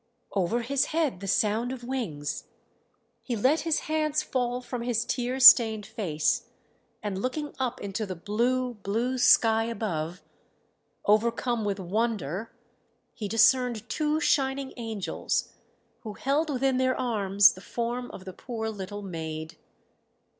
Over his head the sound of wings.... He let his hands fall from his tear stained face, and looking up into the blue, blue sky above, overcome with wonder he discerned two shining angels who held within their arms the form of the poor little maid....